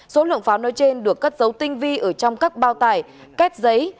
số lượng pháo nói trên được cất dấu tinh vi ở trong các bao tải kết giấy